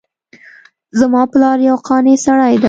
زما پلار یو قانع سړی ده